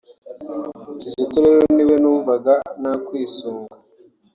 Kizito rero niwe numvaga nakwisunga